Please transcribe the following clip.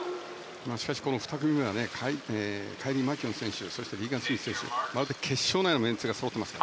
しかし、２組目はカイリー・マキュオン選手そしてリーガン・スミス選手と決勝のようなメンツがそろっています。